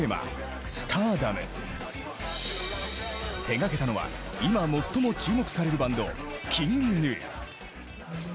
手がけたのは今最も注目されるバンドＫｉｎｇＧｎｕ。